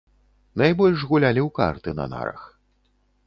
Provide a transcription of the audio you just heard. Найбольш гулялі ў карты на нарах.